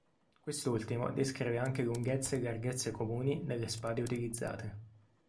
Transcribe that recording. Quest'ultimo descrive anche lunghezze e larghezze comuni delle spade utilizzate.